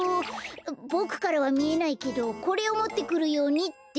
ボクからはみえないけどこれをもってくるようにって。